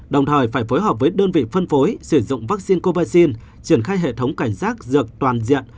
đồng thời phải phối hợp với đơn vị phân phối sử dụng vaccine covid triển khai hệ thống cảnh giác dược toàn diện